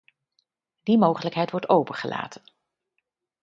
Die mogelijkheid wordt opengelaten.